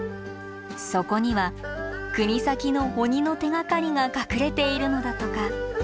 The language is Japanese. そこには国東の鬼の手がかりが隠れているのだとか。